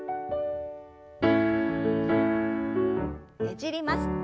ねじります。